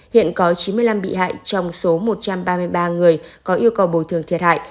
hiện có chín mươi năm bị hại trong số một trăm ba mươi ba người có yêu cầu bồi thường thiệt hại